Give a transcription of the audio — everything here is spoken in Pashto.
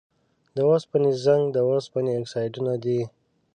د اوسپنې زنګ د اوسپنې اکسایدونه دي.